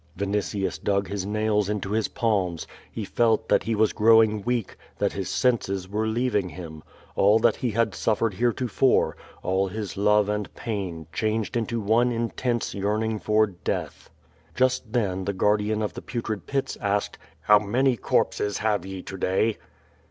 Vinitius dug his nails into his palms. He felt tliat he was growing weak, that his senses were leaving him. All tliat he had suffered heretofore, all his love and i>ain, changed into one intense yearning for death. Just then the guardian of the Putrid Pits asked: "How many corpses have ye to day